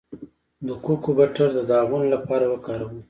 د کوکو بټر د داغونو لپاره وکاروئ